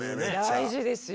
大事ですよ。